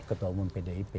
ketua umum pdip